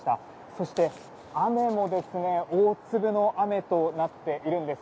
そして雨も大粒の雨となっているんです。